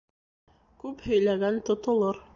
Күп һөйләгән тотолор